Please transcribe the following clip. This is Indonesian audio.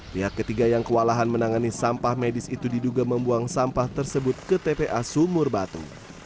pihak ketiga yang kewalahan menangani sampah medis itu diduga membuang sampah tersebut ke tpa sumur batu